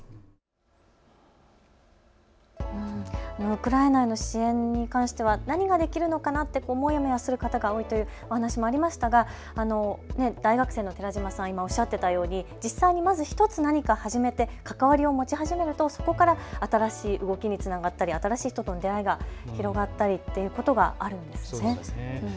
ウクライナへの支援に関しては何ができるのかなともやもやする方が多いというお話がありましたが大学生の寺嶋さんが今おっしゃっていたように実際に１つ何か始めて関わりを持ち始めるとそこから新しい動きにつながったり、新しい人との出会いが広がったりということがあるんですね。